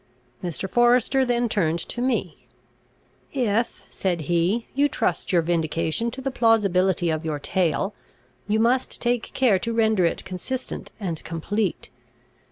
Mr. Forester then turned to me: "If," said he, "you trust your vindication to the plausibility of your tale, you must take care to render it consistent and complete.